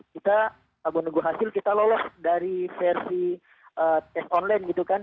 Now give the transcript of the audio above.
kita menunggu hasil kita lolos dari versi tes online gitu kan